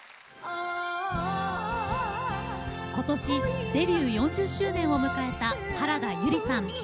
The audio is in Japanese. ことしデビュー４０周年を迎えた、原田悠里さん。